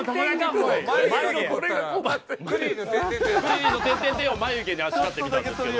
クリリンの点々を眉毛にあしらってみたんですけど。